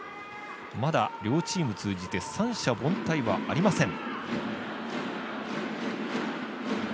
まだ、両チーム通じて三者凡退はありません。